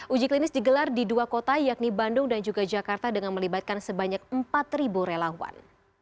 uji klinis digelar di dua kota yakni bandung dan juga jakarta dengan melibatkan sebanyak empat relawan